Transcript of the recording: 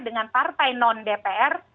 dengan partai non dpr